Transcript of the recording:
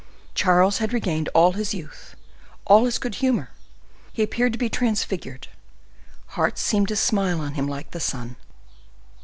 Charles had regained all his youth, all his good humor; he appeared to be transfigured; hearts seemed to smile on him like the sun.